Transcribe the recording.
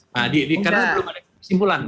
karena belum ada kesimpulan